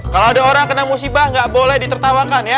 kalau ada orang kena musibah nggak boleh ditertawakan ya